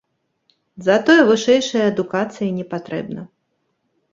Затое вышэйшая адукацыя не патрэбна.